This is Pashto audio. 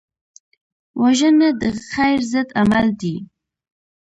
وژنه د خیر ضد عمل دی